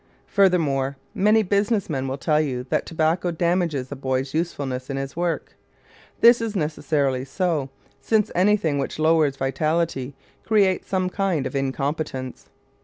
Furthermore, many business men will tell you that tobacco damages a boy's usefulness in his work. This is necessarily so, since anything which lowers vitality creates some kind of incompetence.